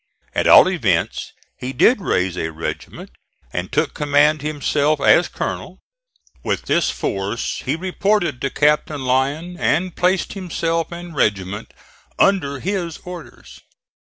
At all events, he did raise a regiment and took command himself as Colonel. With this force he reported to Captain Lyon and placed himself and regiment under his orders.